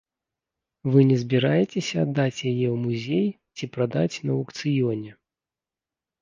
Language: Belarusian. Вы не збіраецеся аддаць яе ў музей ці прадаць на аўкцыёне?